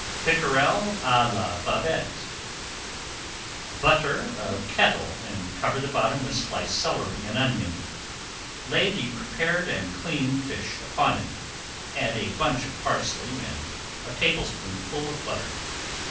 PICKEREL À LA BABETTE Butter a kettle and cover the bottom with sliced celery and onion. Lay the prepared and cleaned fish upon it, add a bunch of parsley and a tablespoonful of butter.